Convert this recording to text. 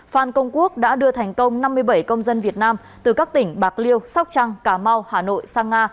phan công quốc đã đưa thành công năm mươi bảy triệu đồng từ các tỉnh bạc liêu sóc trăng cà mau hà nội sang nga